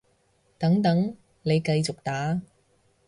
等等，你繼續打